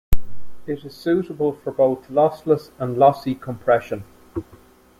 It is suitable for both lossless and lossy compression.